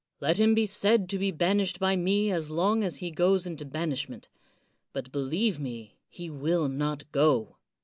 Let him be said to be banished by me as long as he goes into banishment; but, believe me, he will not go.